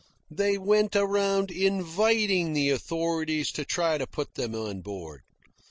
They went around inviting the authorities to try to put them on board.